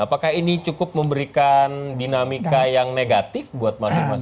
apakah ini cukup memberikan dinamika yang negatif buat masing masing